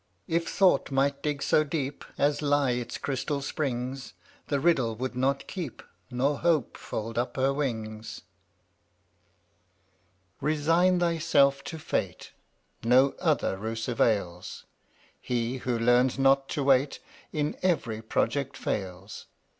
If thought might dig so deep As lie its crystal springs, The riddle would not keep — Nor Hope fold up her wings. Resign thyself to Fate, &}tt%/lt No other ruse avails; II He who learns not to wait, (JvC/ In every project fails.